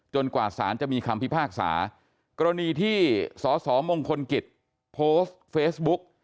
กว่าสารจะมีคำพิพากษากรณีที่สสมงคลกิจโพสต์เฟซบุ๊ก